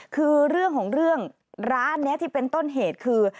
คือเรื่องของเรื่องร้านนี้ที่เป็นต้นเหตุคือ